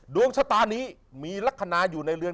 ดวงชะตานี้มีลักษณะอยู่ในเรือน